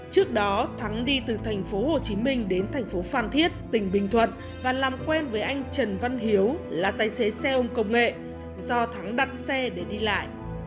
trước đó thắng đi từ thành phố hồ chí minh đến thành phố phan thiết tỉnh bình thuận và làm quen với anh trần văn hiếu là tài xế xe ôm công nghệ do thắng đặt xe để đi lại